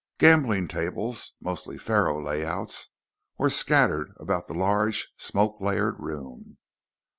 Gambling tables, mostly faro layouts, were scattered about the large, smoke layered room.